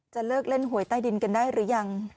เลิกเล่นหวยใต้ดินกันได้หรือยัง